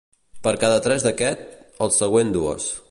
Per cada tres d’aquest, el següent dues.